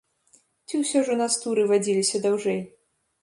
Ці ўсё ж у нас туры вадзіліся даўжэй?